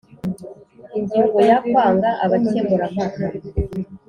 Ingingo ya Kwanga abakemurampaka